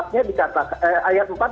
empat nya dikatakan ayat empat